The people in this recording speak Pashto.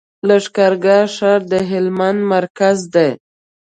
لښکر ګاه ښار د هلمند مرکز دی.